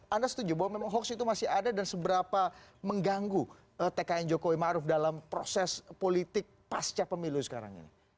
anda setuju bahwa memang hoax itu masih ada dan seberapa mengganggu tkn jokowi maruf dalam proses politik pasca pemilu sekarang ini